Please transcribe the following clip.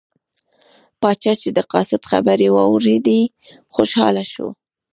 پاچا چې د قاصد خبرې واوریدې خوشحاله شو.